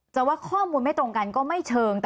ว่าข้อมูลไม่ตรงกันก็ไม่เชิง